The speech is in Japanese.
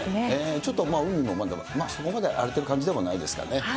ちょっと海も、そこまで荒れてる感じではないですかね。